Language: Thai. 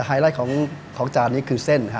ค่ายไลท์ของจานนี้คือเส้นครับ